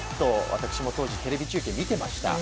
私も当時テレビ中継見ていました。